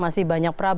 masih banyak problem